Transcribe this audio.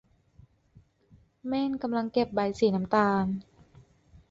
เม่นกำลังเก็บใบสีน้ำตาล